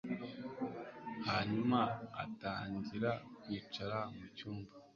hanyuma atangira kwicara mu cyumba